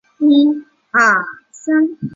兴趣是购物。